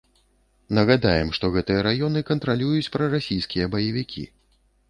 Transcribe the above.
Нагадаем, што гэтыя раёны кантралююць прарасійскія баевікі.